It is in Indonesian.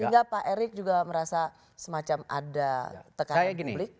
sehingga pak erick juga merasa semacam ada tekanan publik